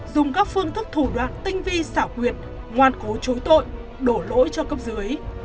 dùng các phương thức thủ đoạn tinh vi xảo quyệt ngoan cố chối tội đổ lỗi cho cấp dưới